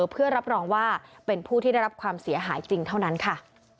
เพื่อรับรองว่าเป็นผู้ที่ได้รับความเสียหายจริงเท่านั้นค่ะ